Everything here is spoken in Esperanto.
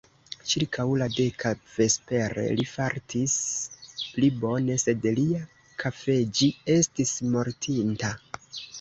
Ĉirkaŭ la deka vespere, li fartis pli bone, sed lia _kafeĝi_ estis mortinta.